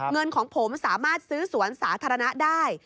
เงินของผมสามารถซื้อสวนสาธารณะได้